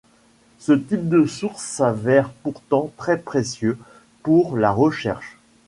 Ce type de sources s'avère pourtant très précieux pour la recherche.